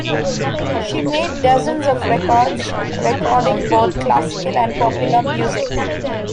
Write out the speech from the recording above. She made dozens of records; recording both classical and popular music.